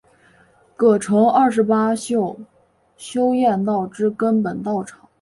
葛城二十八宿修验道之根本道场。